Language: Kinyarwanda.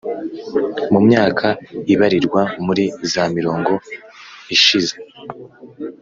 Mu myaka ibarirwa muri za mirongo ishize